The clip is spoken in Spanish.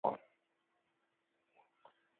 Gustaba de autores como León Tolstoi.